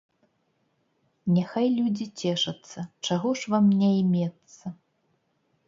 Няхай людзі цешацца, чаго ж вам няймецца!